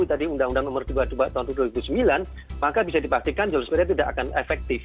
jadi undang undang nomor dua puluh dua tahun dua ribu sembilan maka bisa dipastikan jalur sepeda tidak akan efektif